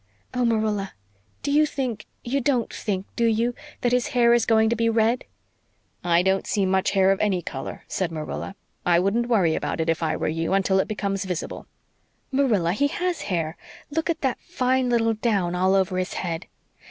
Oh, Marilla, do you think you don't think, do you that his hair is going to be red?" "I don't see much hair of any color," said Marilla. "I wouldn't worry about it, if I were you, until it becomes visible." "Marilla, he HAS hair look at that fine little down all over his head.